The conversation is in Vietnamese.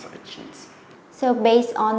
mỗi ngày trên bản tin